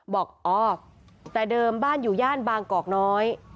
บอกอ๋อแต่เดิมบ้านอยู่ย่านบางกอกน้อย